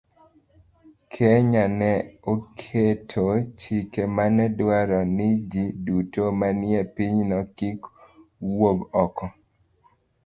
Kenya ne oketo chik mane dwaro ni ji duto manie pinyno kik wuog oko,